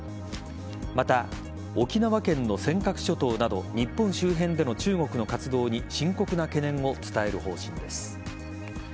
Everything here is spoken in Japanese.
また、沖縄県の尖閣諸島など日本周辺での中国の活動に深刻な懸念を伝える方針です。